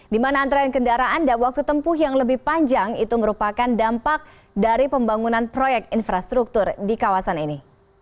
di mana antrean kendaraan dan waktu tempuh yang lebih panjang itu merupakan dampak dari pembangunan proyek infrastruktur di kawasan ini